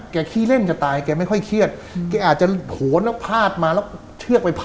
ขี้เล่นจะตายแกไม่ค่อยเครียดแกอาจจะโหนแล้วพาดมาแล้วเชือกไปพาด